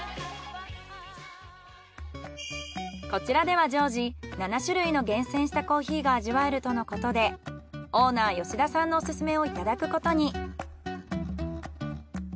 こちらでは常時７種類の厳選したコーヒーが味わえるとのことでオーナー吉田さんのオススメをいただくことに。